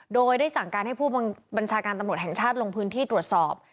โดยได้สั่งการให้ผู้บัญชาการตำรวจแห่งชาติลงพื้นที่ตรวจสอบ